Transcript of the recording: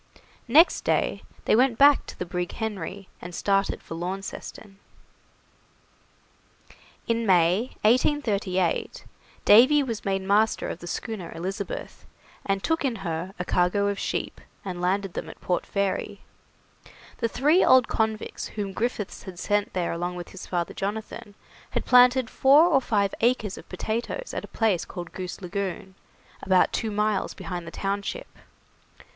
Next day they went back to the brig 'Henry', and started for Launceston. In May, 1838, Davy was made master of the schooner 'Elizabeth', and took in her a cargo of sheep, and landed them at Port Fairy. The three old convicts whom Griffiths had sent there along with his father Jonathan, had planted four or five acres of potatoes at a place called Goose Lagoon, about two miles behind the township.